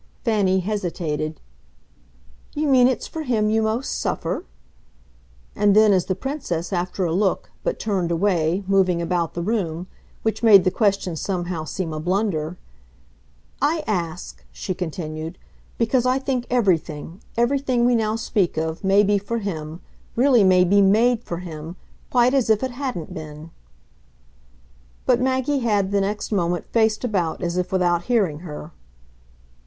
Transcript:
Fanny hesitated. "You mean it's for him you most suffer?" And then as the Princess, after a look, but turned away, moving about the room which made the question somehow seem a blunder "I ask," she continued, "because I think everything, everything we now speak of, may be for him, really may be MADE for him, quite as if it hadn't been." But Maggie had, the next moment faced about as if without hearing her.